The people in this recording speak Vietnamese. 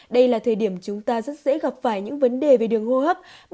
đây là thời điểm chúng ta rất dễ gặp phải những vấn đề về đường hô hấp